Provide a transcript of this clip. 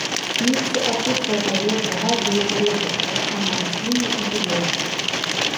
Смецце атручвае паветра, ваду, глебу, а таксама расліны і жывёл.